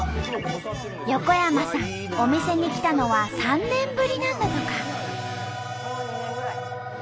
横山さんお店に来たのは３年ぶりなんだとか。